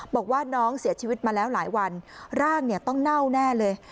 บอกว่าน้องเสียชีวิตมาแล้วหลายวันร่างต้องเน่าแน่เลย